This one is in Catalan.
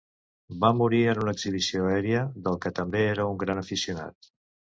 Va morir en una exhibició aèria, del que també era un gran aficionat.